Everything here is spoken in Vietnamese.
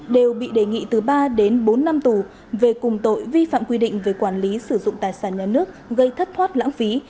đều bị đề nghị từ ba đến bốn năm tù về cùng tội vi phạm quy định về quản lý sử dụng tài sản nhà nước gây thất thoát lãng phí